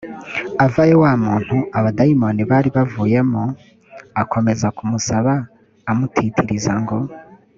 avayo wa muntu abadayimoni bari bavuyemo akomeza kumusaba amutitiriza ngo